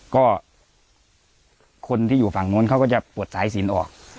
ก็คนที่อยู่ฝั่งนู้นเขาก็จะปวดสายสินออก